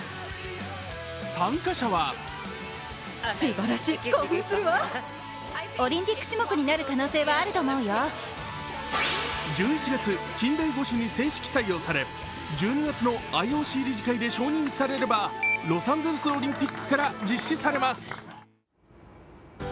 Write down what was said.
参加者は１１月、近代五種に正式採用され１２月のＩＯＣ理事会で承認されればロサンゼルスオリンピックから実施されます。